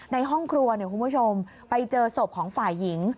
ในห้องครัวไปเจอศพของฝ่ายหญิง